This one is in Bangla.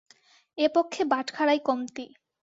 এ পক্ষে বাটখারায় কমতি।